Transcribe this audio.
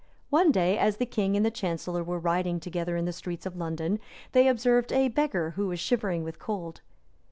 One day, as the king and the chancellor were riding together in the streets of London, they observed a beggar, who was shivering with cold.